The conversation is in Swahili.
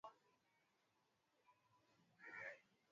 namna kipindi hiki cha miezi sita kabla sudan kusini hawajakuwa